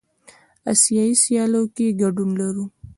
آسیایي سیالیو کې ګډون لرو.